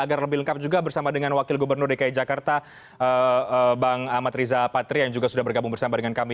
agar lebih lengkap juga bersama dengan wakil gubernur dki jakarta bang amat riza patria yang juga sudah bergabung bersama dengan kami